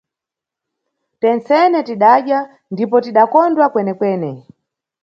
Tensene tidadya ndipo tidakondwa kwenekwene.